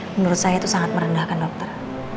menurut saya itu sangat merendahkan dokter